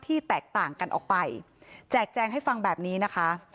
แตกต่างกันออกไปแจกแจงให้ฟังแบบนี้นะคะ